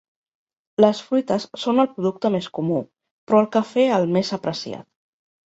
Les fruites són el producte més comú però el cafè el més apreciat.